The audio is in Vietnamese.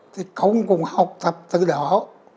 thì công cũng học tập từ đó